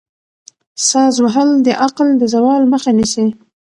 ساز وهل د عقل د زوال مخه نیسي.